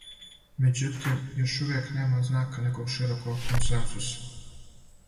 Меđутим, још увијек нема знака неког широког консензуса.